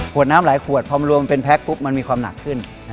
ขวดน้ำหลายขวดพอมันรวมเป็นแพ็คมันมีความหนักขึ้น